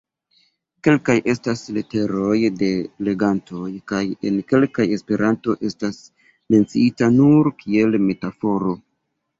Kelkaj estas leteroj de legantoj, kaj en kelkaj Esperanto estas menciita nur kiel metaforo.